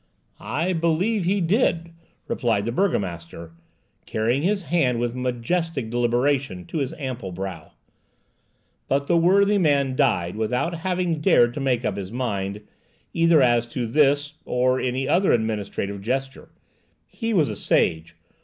"I believe he did," replied the burgomaster, carrying his hand with majestic deliberation to his ample brow; "but the worthy man died without having dared to make up his mind, either as to this or any other administrative measure. He was a sage.